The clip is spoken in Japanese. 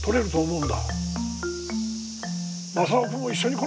うん。